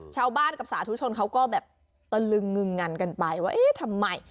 ชาวบ้านกับสาธุชนเขาก็แบบตะลึงงึงงันกันไปว่าเอ๊ะทำไม